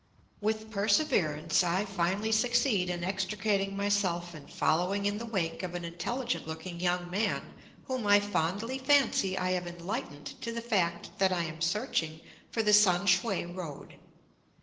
With perseverance I finally succeed in extricating myself and following in the wake of an intelligent looking young man whom I fondly fancy I have enlightened to the fact that I am searching for the Sam shue road.